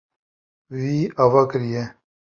Wî ava kiriye.